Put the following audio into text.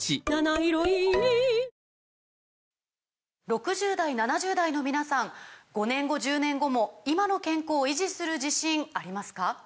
６０代７０代の皆さん５年後１０年後も今の健康維持する自信ありますか？